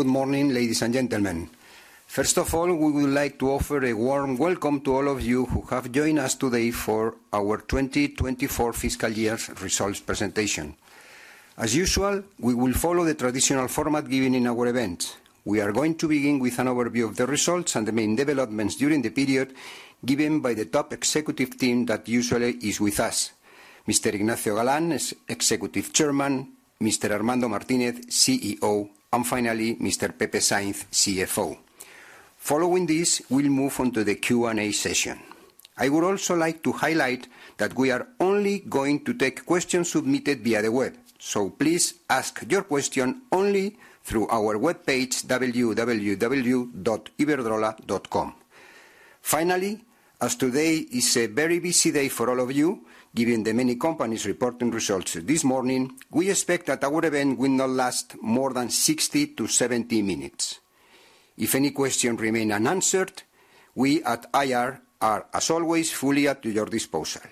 Good morning, ladies and gentlemen. First of all, we would like to offer a warm welcome to all of you who have joined us today for our 2024 fiscal year results presentation. As usual, we will follow the traditional format given in our events. We are going to begin with an overview of the results and the main developments during the period given by the top executive team that usually is with us: Mr. Ignacio Galán, Executive Chairman; Mr. Armando Martínez, CEO; and finally, Mr. Pepe Sainz, CFO. Following this, we'll move on to the Q&A session. I would also like to highlight that we are only going to take questions submitted via the web, so please ask your question only through our webpage, www.iberdrola.com. Finally, as today is a very busy day for all of you, given the many companies reporting results this morning, we expect that our event will not last more than 60-70 minutes. If any questions remain unanswered, we at IR are, as always, fully at your disposal,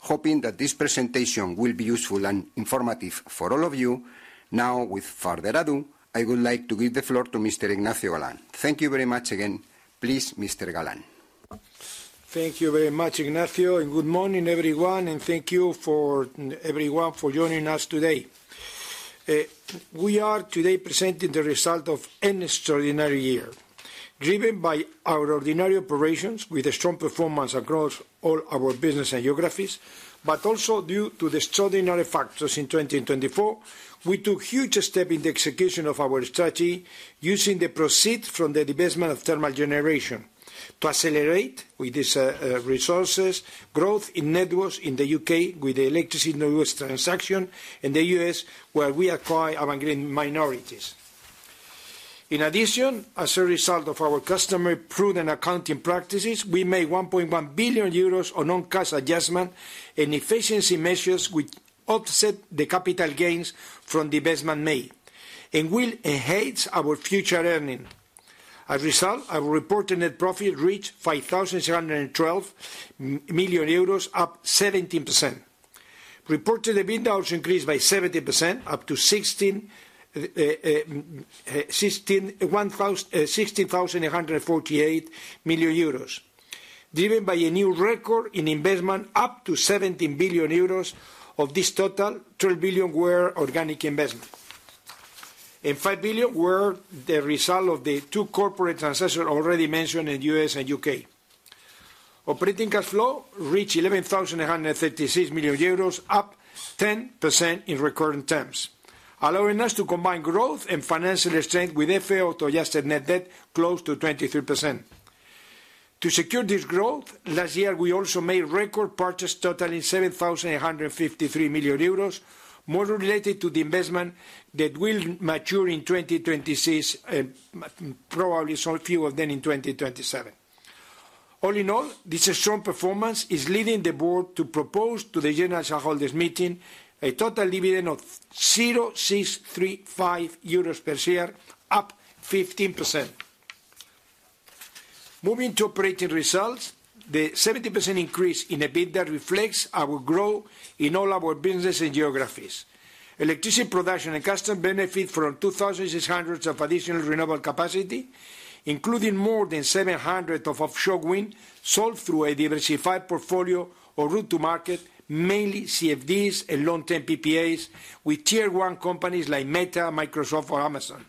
hoping that this presentation will be useful and informative for all of you. Now, without further ado, I would like to give the floor to Mr. Ignacio Galán. Thank you very much again. Please, Mr. Galán. Thank you very much, Ignacio, and good morning, everyone, and thank you for everyone for joining us today. We are today presenting the result of an extraordinary year. Driven by our ordinary operations with a strong performance across all our business and geographies, but also due to the extraordinary factors in 2024, we took huge steps in the execution of our strategy, using the proceeds from the divestment of thermal generation to accelerate, with these resources, growth in networks in the U.K. with the electricity transaction and the U.S., where we acquire our Avangrid minorities. In addition, as a result of our customer-prudent accounting practices, we made 1.1 billion euros on non-cash adjustment and efficiency measures which offset the capital gains from the investment made, and we enhanced our future earnings. As a result, our reported net profit reached 5,712 million euros, up 17%. Reported EBITDA also increased by 17%, up to 16,848 million euros, driven by a new record in investment up to 17 billion euros. Of this total, 12 billion were organic investment, and 5 billion were the result of the two corporate successes already mentioned in the U.S. and U.K.. Operating cash flow reached 11,836 million euros, up 10% in recurring terms, allowing us to combine growth and financial strength with FFO adjusted net debt close to 23%. To secure this growth, last year we also made record purchases totaling 7,853 million euros, more related to the investment that will mature in 2026, and probably so few of them in 2027. All in all, this strong performance is leading the board to propose to the General Shareholders' Meeting a total dividend of 0.635 euros per share, up 15%. Moving to operating results, the 70% increase in EBITDA reflects our growth in all our businesses and geographies. Electricity production and customer benefit from 2,600 of additional renewable capacity, including more than 700 of offshore wind, sold through a diversified portfolio or route to market, mainly CFDs and long-term PPAs with Tier 1 companies like Meta, Microsoft, or Amazon.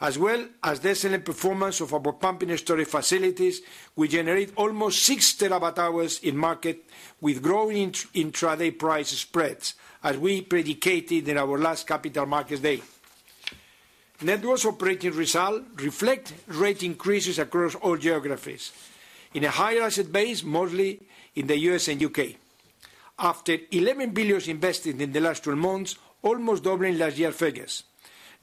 As well as the excellent performance of our pumping and storage facilities, we generate almost 6 terawatt-hours in market with growing intraday price spreads, as we predicted in our last Capital Markets Day. Networth operating result reflects rate increases across all geographies in a higher asset base, mostly in the U.S. and U.K., after 11 billion invested in the last 12 months, almost doubling last year's figures.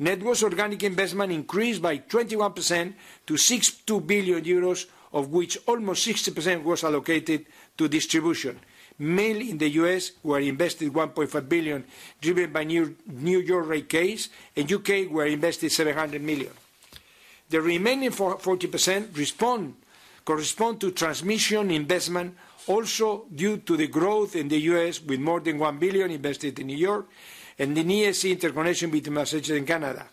Networth organic investment increased by 21% to 62 billion euros, of which almost 60% was allocated to distribution, mainly in the U.S., where invested 1.5 billion, driven by New York rate case, and U.K., where invested 700 million. The remaining 40% correspond to transmission investment, also due to the growth in the U.S. with more than 1 billion invested in New York and the NECEC interconnection between Massachusetts and Canada,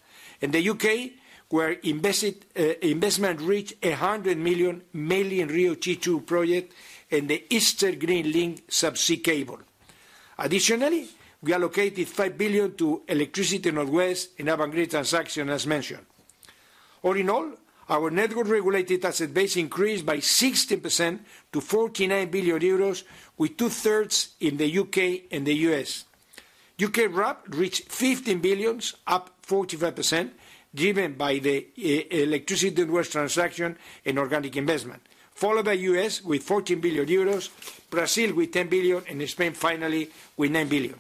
and the U.K., where investment reached 100 million, mainly in RIIO-T2 project and the Eastern Green Link subsea cable. Additionally, we allocated 5 billion to Electricity North West and Avangrid transaction, as mentioned. All in all, our network-regulated asset base increased by 16% to 49 billion euros, with 2/3 in the U.K. and the U.S.. U.K. RAB reached 15 billion, up 45%, driven by the electricity network transaction and organic investment, followed by U.S. with 14 billion euros, Brazil with 10 billion, and Spain finally with 9 billion.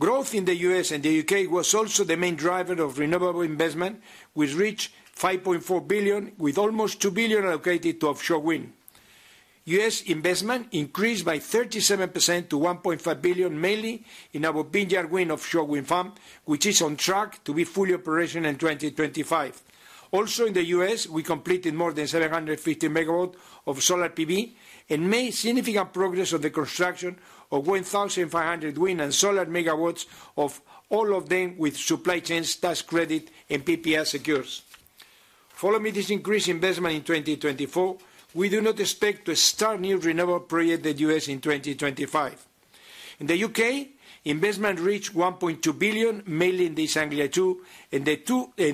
Growth in the U.S. and the U.K. was also the main driver of renewable investment, which reached 5.4 billion, with almost 2 billion allocated to offshore wind. U.S. investment increased by 37% to 1.5 billion, mainly in our Vineyard Wind offshore wind farm, which is on track to be fully operational in 2025. Also in the U.S., we completed more than 750 megawatts of solar PV and made significant progress on the construction of 1,500 wind and solar megawatts, all of them with supply chains, tax credit, and PPA secured. Following this increased investment in 2024, we do not expect to start new renewable projects in the U.S. in 2025. In the U.K., investment reached 1.2 billion, mainly in East Anglia 2 and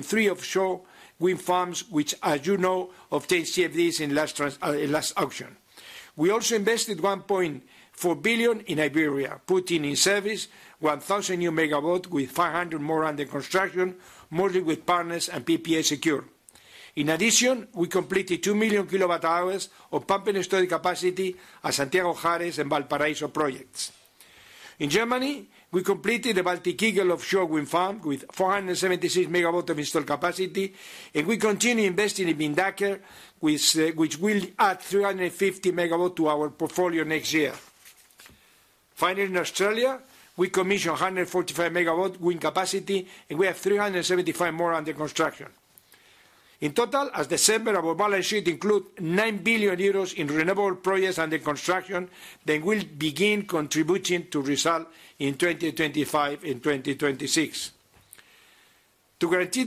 3 offshore wind farms, which, as you know, obtained CfDs in last auction. We also invested 1.4 billion in Iberia, putting in service 1,000 new megawatts, with 500 more under construction, mostly with partners and PPA secured. In addition, we completed two million kilowatt-hours of pumping and storage capacity at Santiago-Xares and Valparaíso projects. In Germany, we completed the Baltic Eagle offshore wind farm with 476 megawatts of installed capacity, and we continue investing in Windanker, which will add 350 megawatts to our portfolio next year. Finally, in Australia, we commissioned 145 megawatts wind capacity, and we have 375 more under construction. In total, as of December, our balance sheet includes 9 billion euros in renewable projects under construction that will begin contributing to results in 2025 and 2026. To guarantee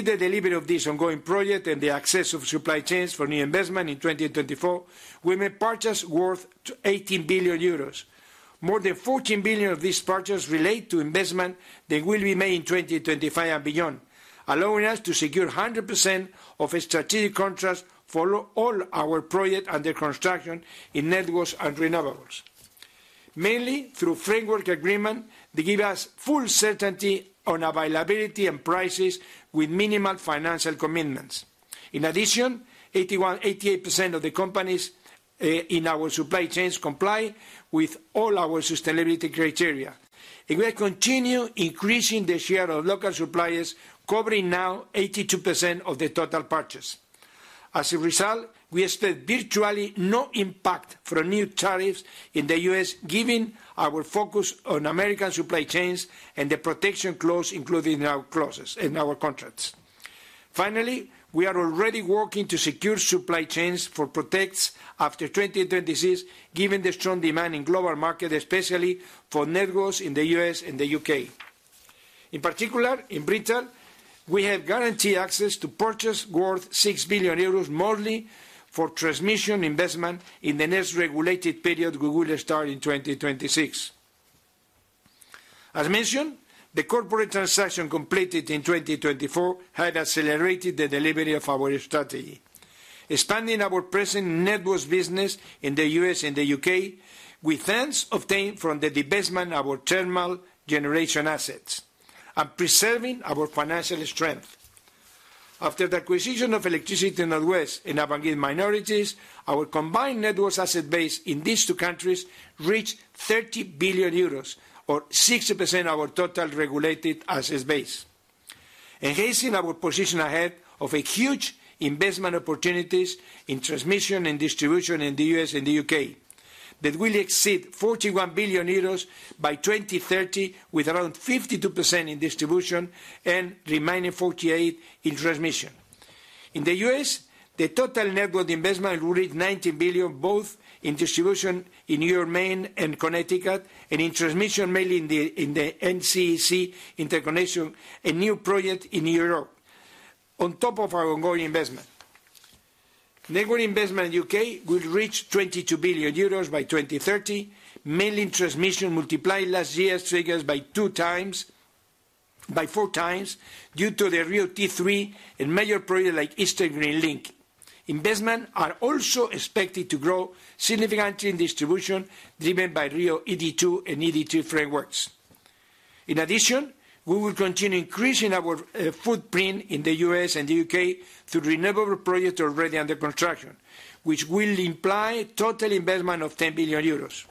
the delivery of these ongoing projects and the access of supply chains for new investment in 2024, we made purchases worth 18 billion euros. More than 14 billion of these purchases relate to investment that will be made in 2025 and beyond, allowing us to secure 100% of a strategic contract for all our projects under construction in networks and renewables, mainly through framework agreements that give us full certainty on availability and prices with minimal financial commitments. In addition, 88% of the companies in our supply chains comply with all our sustainability criteria, and we continue increasing the share of local suppliers, covering now 82% of the total purchase. As a result, we expect virtually no impact from new tariffs in the U.S., given our focus on American supply chains and the protection clause, including our clauses in our contracts. Finally, we are already working to secure supply chains for projects after 2026, given the strong demand in global markets, especially for networks in the U.S. and the U.K. In particular, in Britain, we have guaranteed access to purchases worth 6 billion euros, mostly for transmission investment in the next regulated period we will start in 2026. As mentioned, the corporate transactions completed in 2024 have accelerated the delivery of our strategy, expanding our present network business in the U.S. and the U.K., with funds obtained from the investment of our thermal generation assets and preserving our financial strength. After the acquisition of Electricity North West and Avangrid minorities, our combined network asset base in these two countries reached 30 billion euros, or 60% of our total regulated asset base, enhancing our position ahead of huge investment opportunities in transmission and distribution in the U.S. and the U.K. that will exceed 41 billion euros by 2030, with around 52% in distribution and remaining 48% in transmission. In the U.S., the total network investment will reach 19 billion, both in distribution in New York, Maine and Connecticut, and in transmission, mainly in the NECEC interconnection and new projects in Europe, on top of our ongoing investment. Network investment in the U.K. will reach 22 billion euros by 2030, mainly in transmission, multiplied last year's figures by 4× due to the RIIO-T3 and major projects like Eastern Green Link. Investments are also expected to grow significantly in distribution, driven by RIIO-ED2 and ED3 frameworks. In addition, we will continue increasing our footprint in the U.S. and the U.K. through renewable projects already under construction, which will imply total investment of 10 billion euros.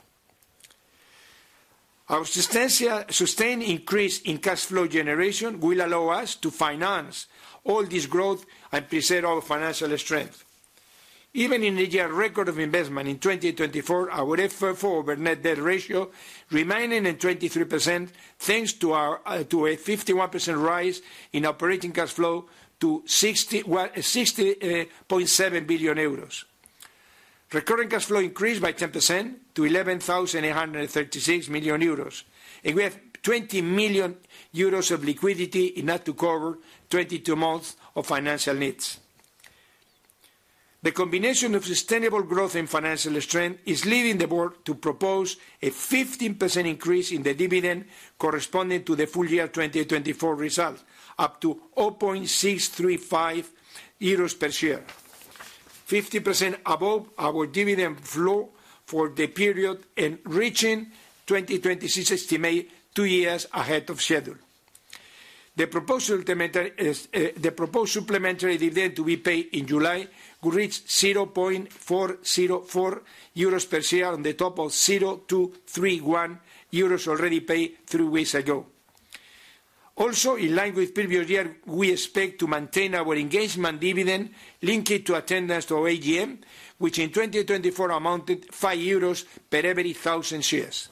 Our sustained increase in cash flow generation will allow us to finance all this growth and preserve our financial strength. Even in the year record of investment in 2024, our FFO over net debt ratio remaining at 23%, thanks to a 51% rise in operating cash flow to 60.7 billion euros. Recurring cash flow increased by 10% to 11,836 million euros, and we have 20 million euros of liquidity enough to cover 22 months of financial needs. The combination of sustainable growth and financial strength is leading the board to propose a 15% increase in the dividend corresponding to the full year 2024 result, up to 0.635 euros per share, 50% above our dividend flow for the period and reaching 2026 estimate two years ahead of schedule. The proposed supplementary dividend to be paid in July will reach 0.404 euros per share, on top of 0.231 euros already paid three weeks ago. Also, in line with previous year, we expect to maintain our engagement dividend linked to attendance to AGM, which in 2024 amounted to 5 euros per every 1,000 shares.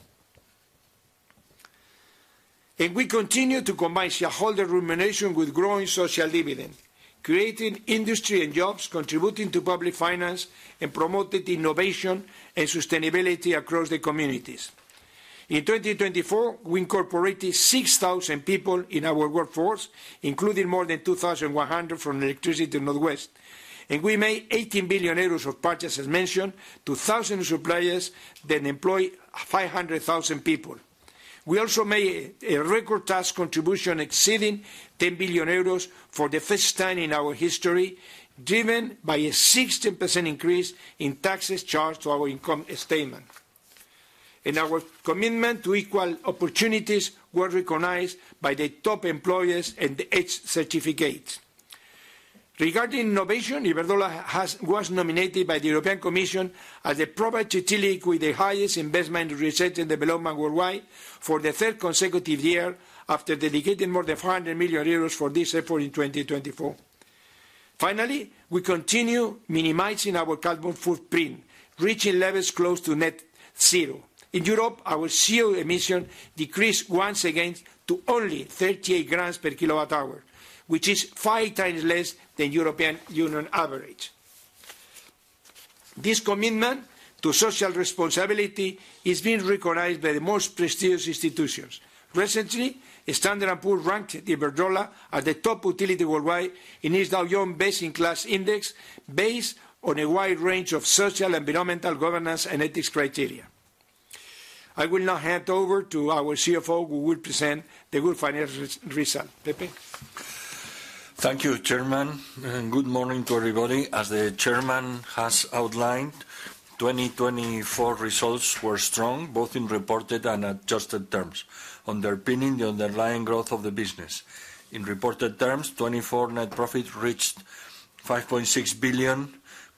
We continue to combine shareholder remuneration with growing social dividend, creating industry and jobs, contributing to public finance, and promoting innovation and sustainability across the communities. In 2024, we incorporated 6,000 people in our workforce, including more than 2,100 from Electricity North West, and we made 18 billion euros of purchases, as mentioned, to thousands of suppliers that employ 500,000 people. We also made a record tax contribution exceeding 10 billion euros for the first time in our history, driven by a 16% increase in taxes charged to our income statement. Our commitment to equal opportunities was recognized by the Top Employers and the H certificates. Regarding innovation, Iberdrola was nominated by the European Commission as the private utility with the highest investment research and development worldwide for the third consecutive year, after dedicating more than 400 million euros for this effort in 2024. Finally, we continue minimizing our carbon footprint, reaching levels close to net zero. In Europe, our CO2 emissions decreased once again to only 38 grams per kilowatt-hour, which is five times less than European Union average. This commitment to social responsibility is being recognized by the most prestigious institutions. Recently, Standard & Poor's ranked Iberdrola at the top utility worldwide in its Dow Jones Sustainability Index, based on a wide range of social and environmental governance and ethics criteria. I will now hand over to our CFO, who will present the good financial result. Pepe. Thank you, Chairman. Good morning to everybody. As the Chairman has outlined, 2024 results were strong, both in reported and adjusted terms, underpinning the underlying growth of the business. In reported terms, 2024 net profit reached 5.6 billion,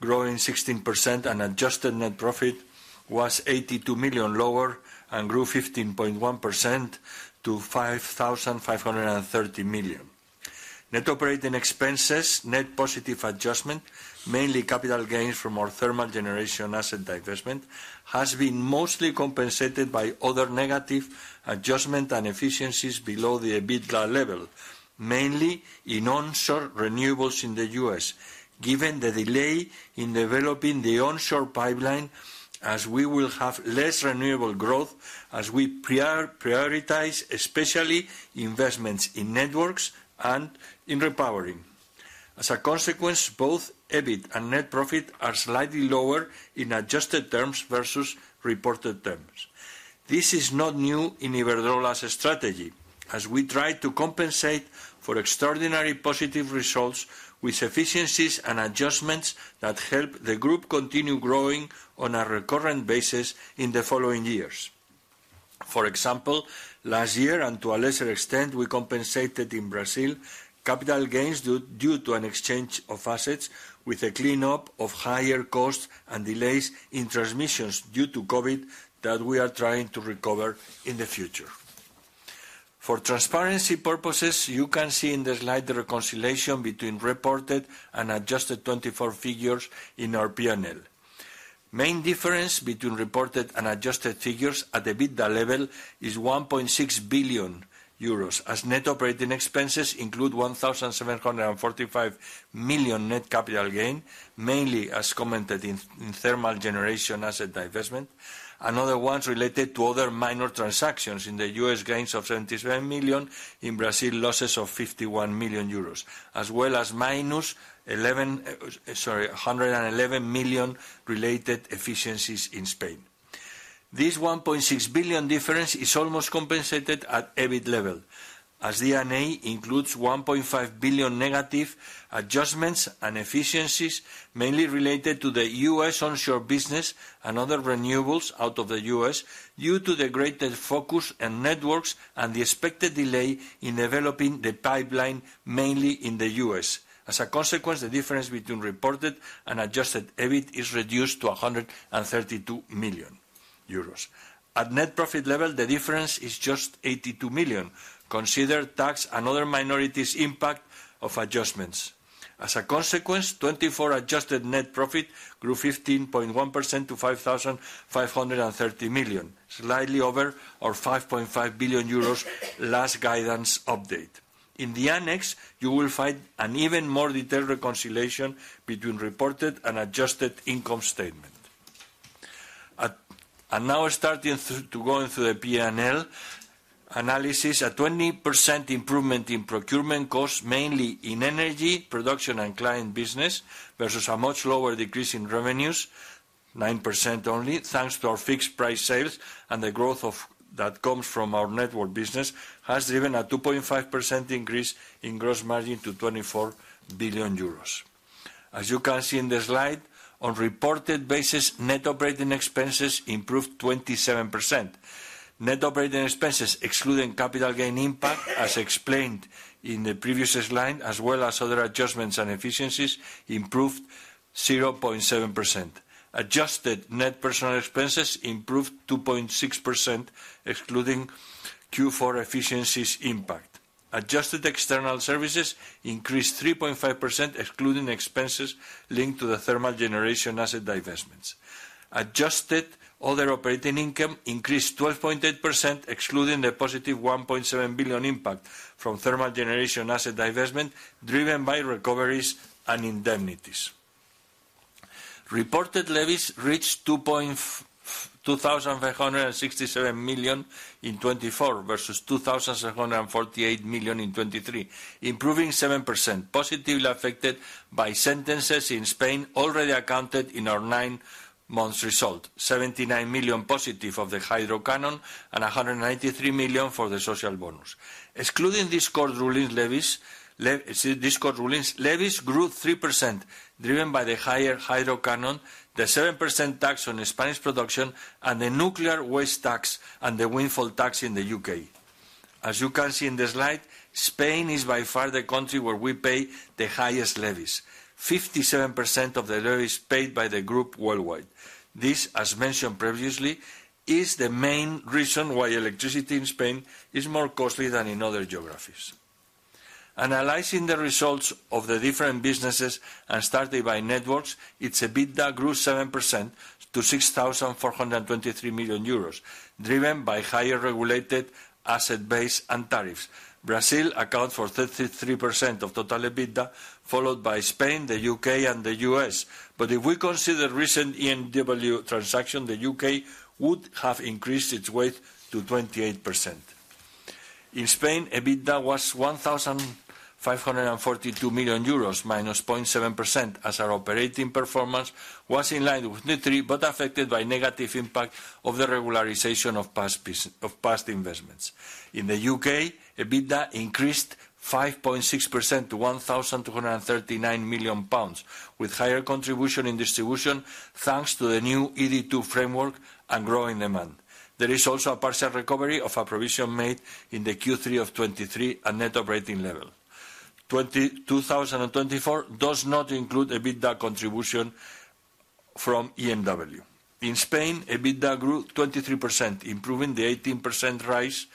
growing 16%, and adjusted net profit was 82 million lower and grew 15.1% to 5,530 million. Net operating expenses, net positive adjustment, mainly capital gains from our thermal generation asset investment, have been mostly compensated by other negative adjustments and efficiencies below the EBITDA level, mainly in onshore renewables in the U.S., given the delay in developing the onshore pipeline, as we will have less renewable growth as we prioritize especially investments in networks and in repowering. As a consequence, both EBIT and net profit are slightly lower in adjusted terms versus reported terms. This is not new in Iberdrola's strategy, as we try to compensate for extraordinary positive results with efficiencies and adjustments that help the group continue growing on a recurrent basis in the following years. For example, last year and to a lesser extent, we compensated in Brazil capital gains due to an exchange of assets with a cleanup of higher costs and delays in transmissions due to COVID that we are trying to recover in the future. For transparency purposes, you can see in the slide the reconciliation between reported and adjusted 24 figures in our P&L. Main difference between reported and adjusted figures at the EBITDA level is 1.6 billion euros, as net operating expenses include 1,745 million net capital gain, mainly, as commented in thermal generation asset investment, and other ones related to other minor transactions in the U.S. gains of 77 million, in Brazil losses of 51 million euros, as well as minus 111 million related efficiencies in Spain. This 1.6 billion difference is almost compensated at EBIT level, as the N&A includes 1.5 billion negative adjustments and efficiencies, mainly related to the U.S. onshore business and other renewables out of the U.S., due to the greater focus and networks and the expected delay in developing the pipeline, mainly in the U.S. As a consequence, the difference between reported and adjusted EBIT is reduced to 132 million euros. At net profit level, the difference is just 82 million, considering tax and other minorities' impact of adjustments. As a consequence, 2024 adjusted net profit grew 15.1% to 5,530 million, slightly over our 5.5 billion euros last guidance update. In the annex, you will find an even more detailed reconciliation between reported and adjusted income statement. Now, startin`g to go into the P&L analysis, a 20% improvement in procurement costs, mainly in energy production and client business, versus a much lower decrease in revenues, 9% only, thanks to our fixed price sales and the growth that comes from our network business, has driven a 2.5% increase in gross margin to 24 billion euros. As you can see in the slide, on reported basis, net operating expenses improved 27%. Net operating expenses, excluding capital gain impact, as explained in the previous slide, as well as other adjustments and efficiencies, improved 0.7%. Adjusted net personnel expenses improved 2.6%, excluding Q4 efficiencies impact. Adjusted external services increased 3.5%, excluding expenses linked to the thermal generation asset investments. Adjusted other operating income increased 12.8%, excluding the +1.7 billion impact from thermal generation asset investment, driven by recoveries and indemnities. Reported levies reached 2,567 million in 2024 versus 2,648 million in 2023, improving 7%, positively affected by sentences in Spain already accounted in our nine-month result, 79 million positive of the Hydro Canon and 193 million for the Social Bonus. Excluding these court rulings, levies grew 3%, driven by the higher Hydro Canon, the 7% tax on Spanish production, and the nuclear waste tax and the windfall tax in the U.K. As you can see in the slide, Spain is by far the country where we pay the highest levies, 57% of the levies paid by the group worldwide. This, as mentioned previously, is the main reason why electricity in Spain is more costly than in other geographies. Analyzing the results of the different businesses and started by networks, its EBITDA grew 7% to 6,423 million euros, driven by higher regulated asset base and tariffs. Brazil accounts for 33% of total EBITDA, followed by Spain, the U.K., and the U.S. But if we consider recent ENW transactions, the U.K. would have increased its weight to 28%. In Spain, EBITDA was 1,542 million euros -0.7%, as our operating performance was in line with 2023, but affected by negative impact of the regularization of past investments. In the U.K., EBITDA increased 5.6% to 1,239 million pounds, with higher contribution in distribution, thanks to the new ED2 framework and growing demand. There is also a partial recovery of a provision made in the Q3 of 2023 at net operating level. 2024 does not include EBITDA contribution from ENW. In Spain, EBITDA grew 23%, improving the 18% rise.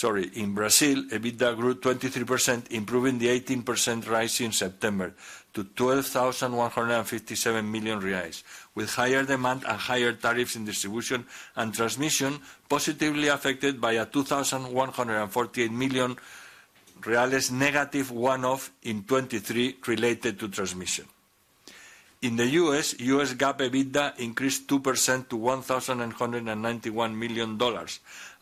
Sorry. In Brazil, EBITDA grew 23%, improving the 18% rise in September to 12,157 million reais, with higher demand and higher tariffs in distribution and transmission, positively affected by a 2,148 million negative one-off in 2023 related to transmission. In the U.S., U.S. GAAP EBITDA increased 2% to $1,191 million,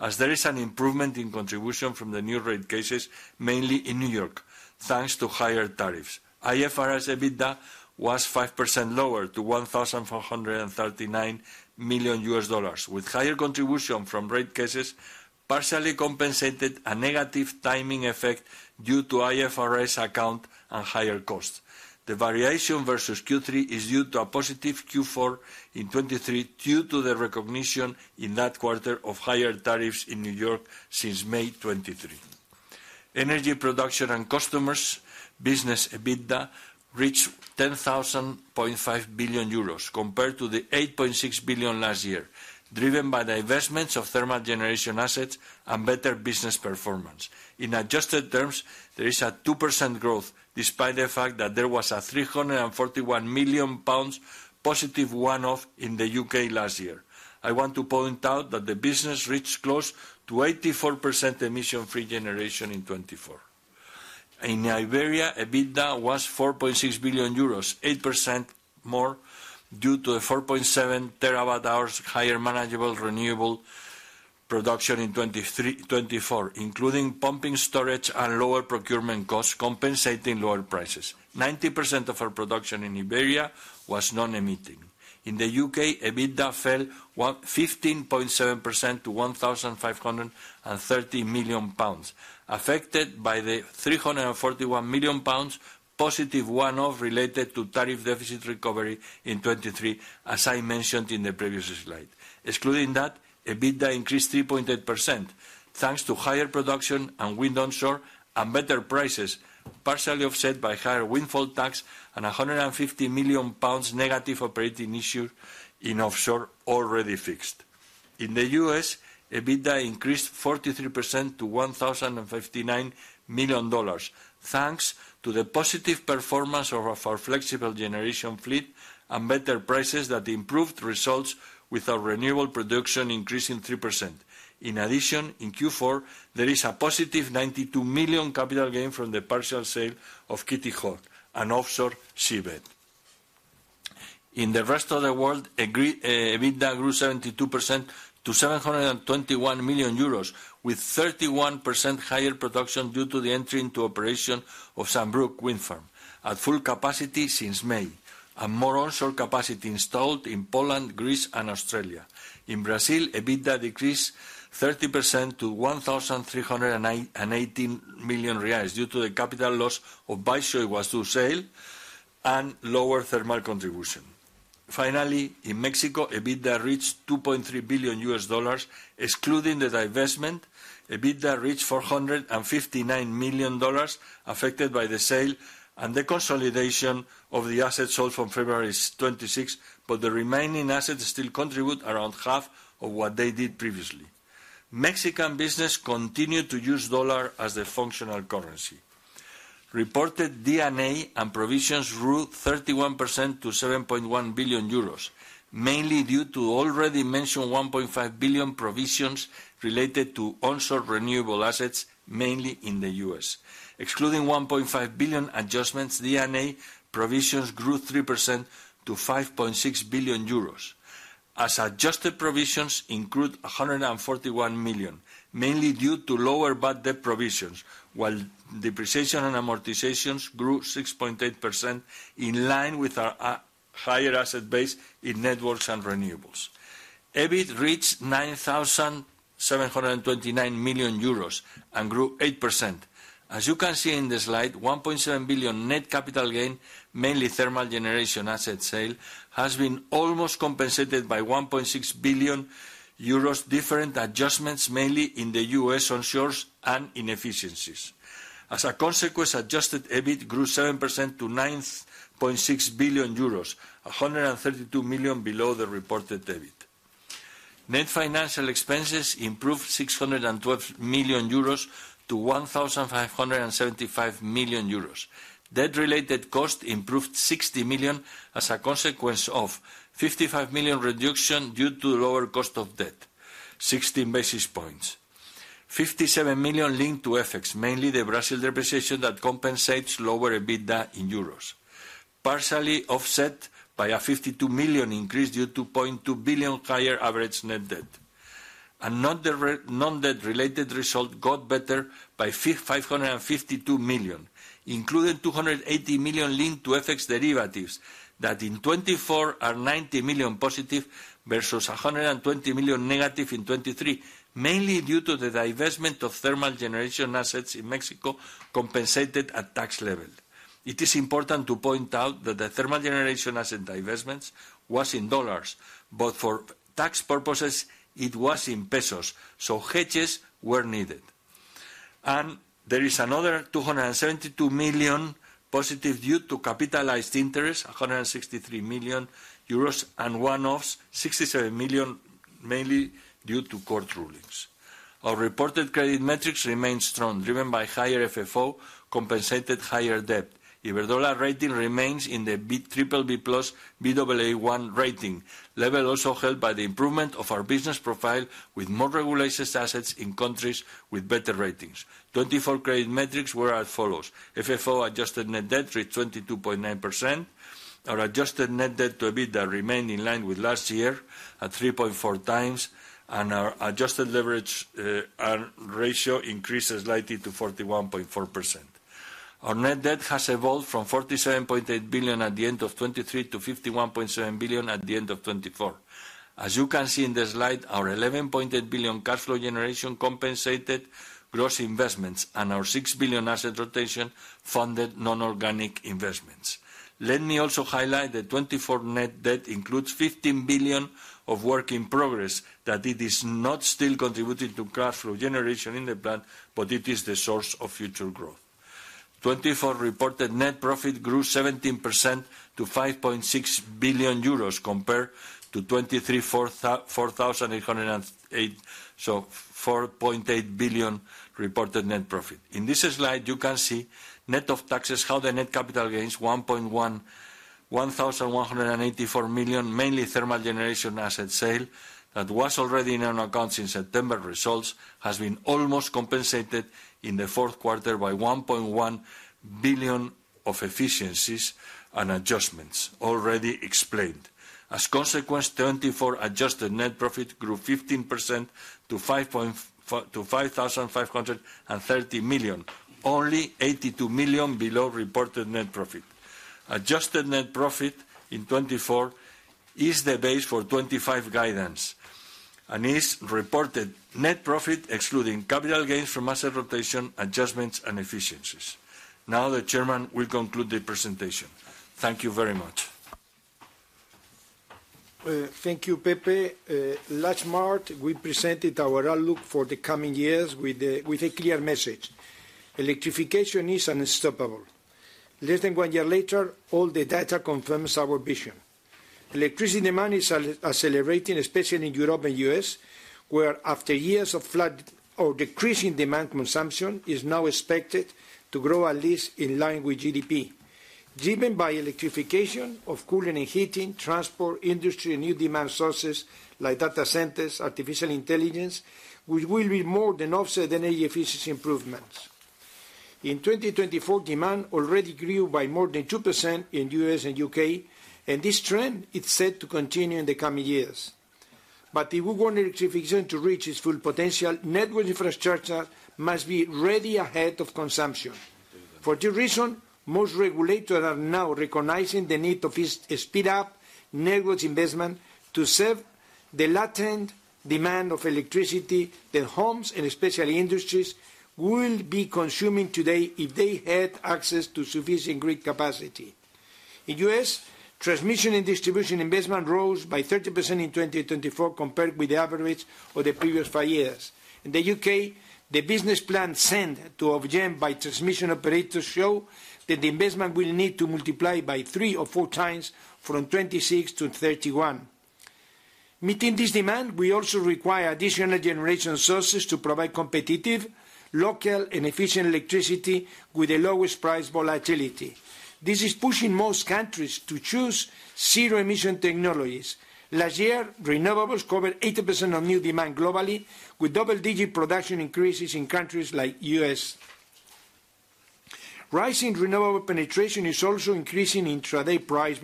as there is an improvement in contribution from the new rate cases, mainly in New York, thanks to higher tariffs. IFRS EBITDA was 5% lower to $1,439 million, with higher contribution from rate cases partially compensated a negative timing effect due to IFRS account and higher costs. The variation versus Q3 is due to a positive Q4 in 2023 due to the recognition in that quarter of higher tariffs in New York since May 2023. Energy production and customers' business EBITDA reached 10.5 billion euros, compared to the 8.6 billion last year, driven by the investments of thermal generation assets and better business performance. In adjusted terms, there is a 2% growth, despite the fact that there was a 341 million pounds positive one-off in the U.K. last year. I want to point out that the business reached close to 84% emission-free generation in 2024. In Iberia, EBITDA was 4.6 billion euros, 8% more due to the 4.7 terawatt-hours higher manageable renewable production in 2024, including pumped storage and lower procurement costs, compensating lower prices. 90% of our production in Iberia was non-emitting. In the U.K., EBITDA fell 15.7% to 1,530 million pounds, affected by the 341 million pounds positive one-off related to tariff deficit recovery in 2023, as I mentioned in the previous slide. Excluding that, EBITDA increased 3.8%, thanks to higher production and wind onshore and better prices, partially offset by higher windfall tax and 150 million pounds negative operating issues in offshore already fixed. In the U.S., EBITDA increased 43% to $1,059 million, thanks to the positive performance of our flexible generation fleet and better prices that improved results with our renewable production increasing 3%. In addition, in Q4, there is a positive $92 million capital gain from the partial sale of Kitty Hawk and offshore seabed. In the rest of the world, EBITDA grew 72% to 721 million euros, with 31% higher production due to the entry into operation of Saint-Brieuc Wind Farm, at full capacity since May, and more onshore capacity installed in Poland, Greece, and Australia. In Brazil, EBITDA decreased 30% to EUR 1,318 million due to the capital loss of onshore assets sale and lower thermal contribution. Finally, in Mexico, EBITDA reached $2.3 billion, excluding the divestment. EBITDA reached $459 million, affected by the sale and the consolidation of the assets sold from February 26, but the remaining assets still contribute around half of what they did previously. Mexican business continued to use dollar as the functional currency. Reported D&A and provisions grew 31% to 7.1 billion euros, mainly due to the already mentioned 1.5 billion provisions related to onshore renewable assets, mainly in the U.S. Excluding 1.5 billion adjustments, D&A provisions grew 3% to 5.6 billion euros, as adjusted provisions increased 141 million, mainly due to lower bad debt provisions, while depreciation and amortizations grew 6.8% in line with our higher asset base in networks and renewables. EBIT reached 9,729 million euros and grew 8%. As you can see in the slide, 1.7 billion net capital gain, mainly thermal generation asset sale, has been almost compensated by 1.6 billion euros, different adjustments mainly in the U.S. onshore and in efficiencies. As a consequence, adjusted EBIT grew 7% to 9.6 billion euros, 132 million below the reported EBIT. Net financial expenses improved 612 million-1,575 million euros. Debt-related costs improved 60 million as a consequence of 55 million reduction due to lower cost of debt, 16 basis points. 57 million linked to effects, mainly the Brazil depreciation that compensates lower EBITDA in euros, partially offset by a 52 million increase due to 0.2 billion higher average net debt. Non-debt-related result got better by 552 million, including 280 million linked to effects derivatives that in 2024 are 90 million positive versus 120 million negative in 2023, mainly due to the divestment of thermal generation assets in Mexico compensated at tax level. It is important to point out that the thermal generation asset divestments was in dollars. But for tax purposes, it was in pesos, so hedges were needed. There is another 272 million positive due to capitalized interest, 163 million euros, and one-offs, 67 million, mainly due to court rulings. Our reported credit metrics remain strong, driven by higher FFO compensated higher debt. Iberdrola rating remains in the BBB+ plus Baa1 rating level also held by the improvement of our business profile with more regulated assets in countries with better ratings. 2024 credit metrics were as follows. FFO adjusted net debt reached 22.9%. Our adjusted net debt to EBITDA remained in line with last year at 3.4×, and our adjusted leverage ratio increased slightly to 41.4%. Our net debt has evolved from 47.8 billion at the end of 2023 to 51.7 billion at the end of 2024. As you can see in the slide, our 11.8 billion cash flow generation compensated gross investments and our 6 billion asset rotation funded non-organic investments. Let me also highlight that 2024 net debt includes 15 billion of work in progress that it is not still contributing to cash flow generation in the plant, but it is the source of future growth. 2024 reported net profit grew 17% to 5.6 billion euros, compared to 4.8 billion reported net profit. In this slide, you can see net of taxes how the net capital gains, 1,184 million, mainly thermal generation asset sale that was already in our accounts in September results, has been almost compensated in the fourth quarter by 1.1 billion of efficiencies and adjustments already explained. As a consequence, 2024 adjusted net profit grew 15% to 5,530 million, only 82 million below reported net profit. Adjusted net profit in 2024 is the base for 2025 guidance and is reported net profit excluding capital gains from asset rotation, adjustments, and efficiencies. Now the Chairman will conclude the presentation. Thank you very much. Thank you, Pepe. Last March, we presented our outlook for the coming years with a clear message. Electrification is unstoppable. Less than one year later, all the data confirms our vision. Electricity demand is accelerating, especially in Europe and the U.S., where after years of flat or decreasing demand consumption is now expected to grow at least in line with GDP. Driven by electrification of cooling and heating, transport, industry, and new demand sources like data centers and artificial intelligence, which will more than offset energy efficiency improvements. In 2024, demand already grew by more than 2% in the U.S. and the U.K., and this trend is set to continue in the coming years. But if we want electrification to reach its full potential, network infrastructure must be ready ahead of consumption. For this reason, most regulators are now recognizing the need to speed up network investment to serve the latent demand of electricity that homes and especially industries will be consuming today if they had access to sufficient grid capacity. In the U.S., transmission and distribution investment rose by 30% in 2024 compared with the average of the previous five years. In the U.K., the business plan sent to Ofgem by transmission operators shows that the investment will need to multiply by three or four times from 2026-2031. Meeting this demand, we also require additional generation sources to provide competitive, local, and efficient electricity with the lowest price volatility. This is pushing most countries to choose zero-emission technologies. Last year, renewables covered 80% of new demand globally, with double-digit production increases in countries like the U.S. Rising renewable penetration is also increasing intraday price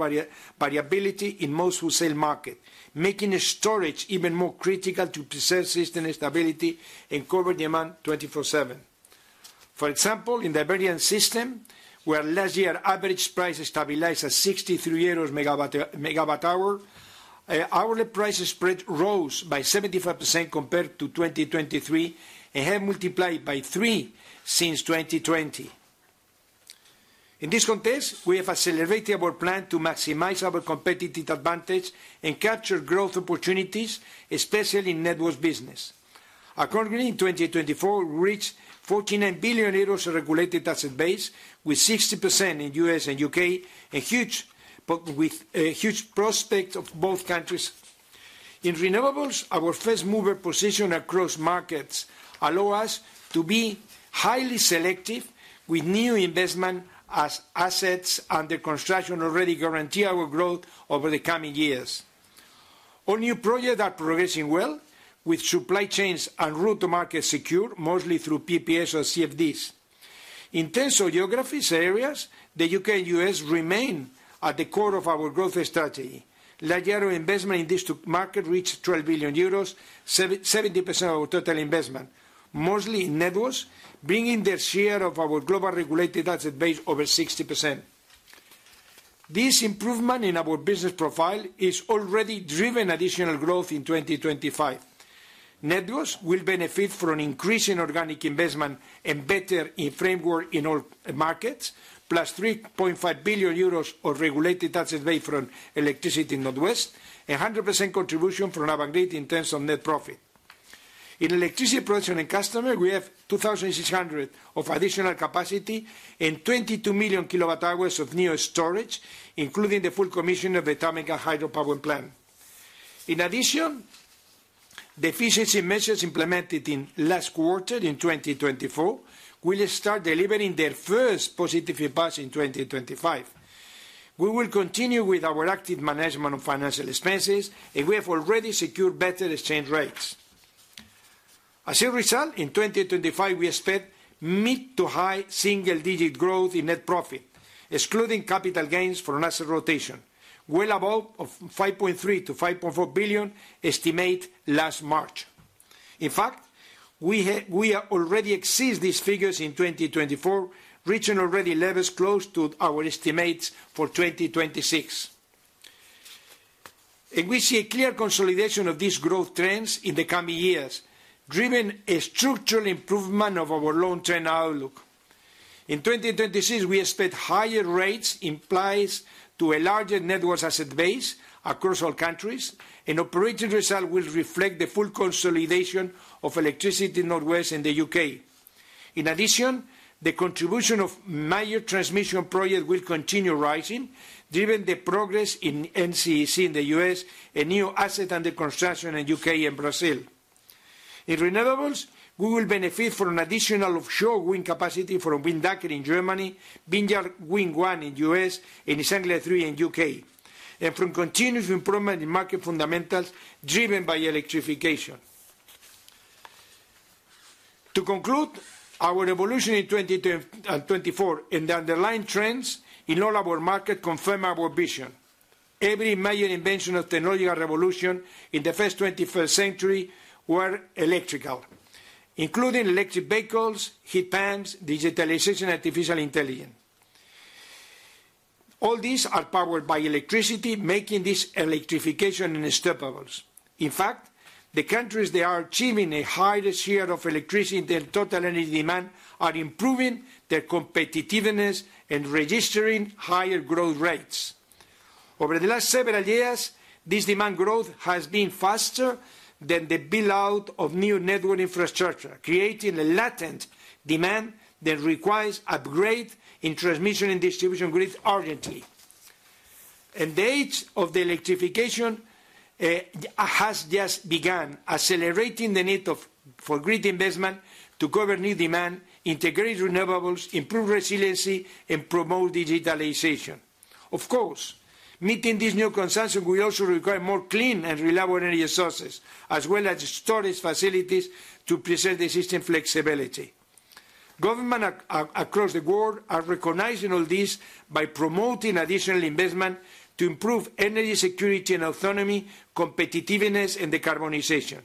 variability in most wholesale markets, making storage even more critical to preserve system stability and cover demand 24/7. For example, in the Iberian system, where last year average price stabilized at 63 euros megawatt-hour, hourly price spread rose by 75% compared to 2023 and has multiplied by three since 2020. In this context, we have accelerated our plan to maximize our competitive advantage and capture growth opportunities, especially in network business. Accordingly, in 2024, we reached 49 billion euros regulated asset base, with 60% in the U.S. and U.K., and huge prospects of both countries. In renewables, our fast-mover position across markets allows us to be highly selective with new investment assets under construction, already guaranteeing our growth over the coming years. All new projects are progressing well, with supply chains and route to markets secured, mostly through PPAs or CfDs. In terms of geographies and areas, the U.K. and the U.S. remain at the core of our growth strategy. Last year, our investment in these two markets reached 12 billion euros, 70% of our total investment, mostly in networks, bringing their share of our global regulated asset base over 60%. This improvement in our business profile is already driving additional growth in 2025. Networks will benefit from increasing organic investment and better framework in all markets, plus 3.5 billion euros of regulated asset base from Electricity North West, and 100% contribution from Avangrid in terms of net profit. In electricity production and customers, we have 2,600 of additional capacity and 22 million kilowatt-hours of new storage, including the full commission of the Tâmega Hydropower Plant. In addition, the efficiency measures implemented in last quarter in 2024 will start delivering their first positive impact in 2025. We will continue with our active management of financial expenses, and we have already secured better exchange rates. As a result, in 2025, we expect mid to high single-digit growth in net profit, excluding capital gains from asset rotation, well above 5.3-5.4 billion estimate last March. In fact, we already exceed these figures in 2024, reaching already levels close to our estimates for 2026, and we see a clear consolidation of these growth trends in the coming years, driven a structural improvement of our long-term outlook. In 2026, we expect higher rates in place to a larger network asset base across all countries, and operating result will reflect the full consolidation of Electricity North West and the U.K. In addition, the contribution of major transmission projects will continue rising, driven the progress in NECEC in the U.S. and new asset under construction in the U.K. and Brazil. In renewables, we will benefit from an additional offshore wind capacity from Windanker in Germany, Vineyard Wind 1 in the U.S., and East Anglia THREE in the U.K., and from continuous improvement in market fundamentals driven by electrification. To conclude, our evolution in 2024 and the underlying trends in all our markets confirm our vision. Every major invention of technological revolution in the first 21st century were electrical, including electric vehicles, heat pumps, digitalization, and artificial intelligence. All these are powered by electricity, making this electrification unstoppable. In fact, the countries that are achieving a higher share of electricity than total energy demand are improving their competitiveness and registering higher growth rates. Over the last several years, this demand growth has been faster than the build-out of new network infrastructure, creating a latent demand that requires upgrade in transmission and distribution grids urgently. The age of the electrification has just begun, accelerating the need for grid investment to cover new demand, integrate renewables, improve resiliency, and promote digitalization. Of course, meeting this new consumption, we also require more clean and reliable energy sources, as well as storage facilities to preserve the system flexibility. Governments across the world are recognizing all this by promoting additional investment to improve energy security and autonomy, competitiveness, and decarbonization.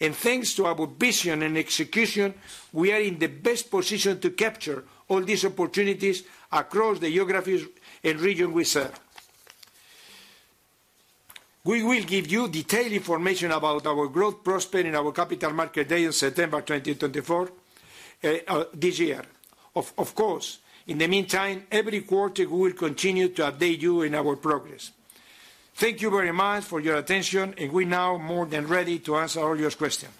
Thanks to our vision and execution, we are in the best position to capture all these opportunities across the geographies and regions we serve. We will give you detailed information about our growth prospects in our Capital Markets Day in September 2024 this year. Of course, in the meantime, every quarter, we will continue to update you on our progress. Thank you very much for your attention, and we are now more than ready to answer all your questions.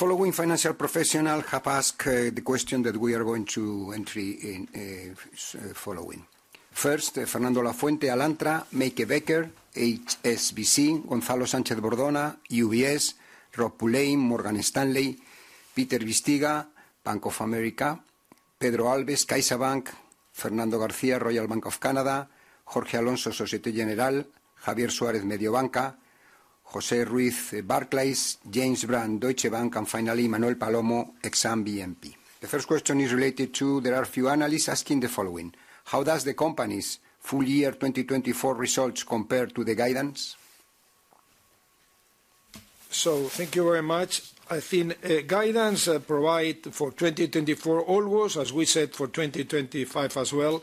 The following financial professionals have asked the question that we are going to enter in following. First, Fernando Lafuente, Alantra, Meike Becker, HSBC, Gonzalo Sánchez-Bordona, UBS, Rob Pulleyn, Morgan Stanley, Peter Bisztyga, Bank of America, Pedro Alves, CaixaBank, Fernando García, Royal Bank of Canada, Jorge Alonso, Société Générale, Javier Suárez, Mediobanca, José Ruiz, Barclays, James Brand, Deutsche Bank, and finally, Manuel Palomo, Exane BNP Paribas. The first question is related to there are a few analysts asking the following: How do the company's full-year 2024 results compare to the guidance? So thank you very much. I think guidance provided for 2024 always, as we said for 2025 as well,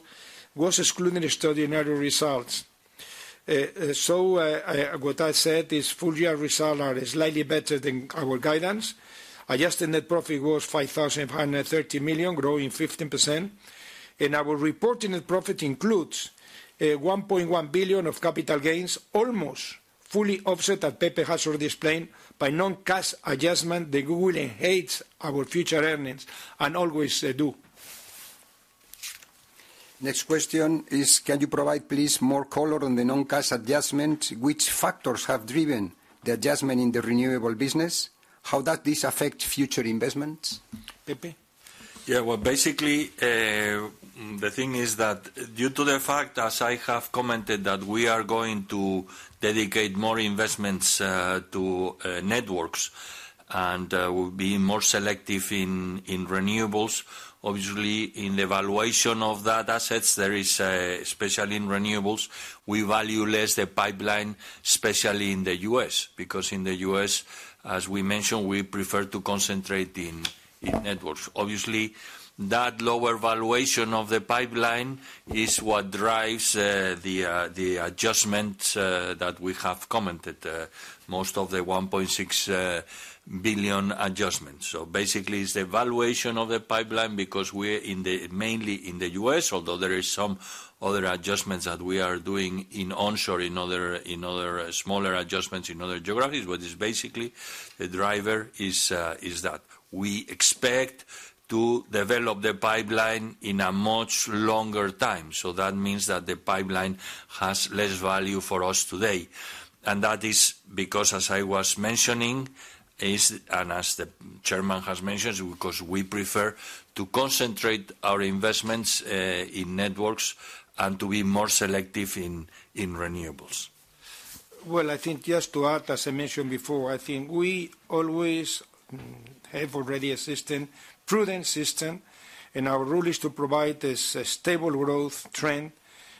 was excluding extraordinary results. So what I said is full-year results are slightly better than our guidance. Adjusted Net Profit was 5,530 million, growing 15%, and our reported net profit includes 1.1 billion of capital gains, almost fully offset, that Pepe has already explained, by non-cash adjustment that could affect our future earnings and as we always do. Next question is: Can you provide, please, more color on the non-cash adjustment? Which factors have driven the adjustment in the renewable business? How does this affect future investments? Pepe? Yeah, well, basically, the thing is that due to the fact, as I have commented, that we are going to dedicate more investments to networks and will be more selective in renewables. Obviously, in the valuation of that asset, there is, especially in renewables, we value less the pipeline, especially in the U.S., because in the U.S., as we mentioned, we prefer to concentrate in networks. Obviously, that lower valuation of the pipeline is what drives the adjustments that we have commented, most of the 1.6 billion adjustments. So basically, it's the valuation of the pipeline because we're mainly in the U.S., although there are some other adjustments that we are doing in onshore, in other smaller adjustments in other geographies, but it's basically the driver is that. We expect to develop the pipeline in a much longer time. So that means that the pipeline has less value for us today, and that is because, as I was mentioning, and as the chairman has mentioned, because we prefer to concentrate our investments in networks and to be more selective in renewables. Well, I think just to add, as I mentioned before, I think we always have already a system, prudent system, and our rule is to provide this stable growth trend